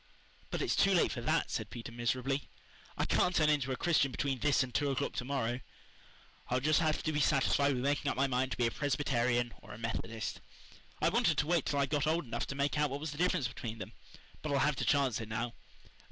"But it's too late for that," said Peter miserably. "I can't turn into a Christian between this and two o'clock to morrow. I'll just have to be satisfied with making up my mind to be a Presbyterian or a Methodist. I wanted to wait till I got old enough to make out what was the difference between them, but I'll have to chance it now.